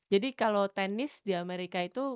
jadi kalau tenis di amerika itu